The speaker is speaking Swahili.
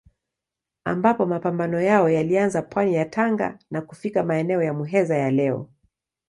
Ambapo mapambano yao yalianza pwani ya Tanga na kufika maeneo ya Muheza ya leo.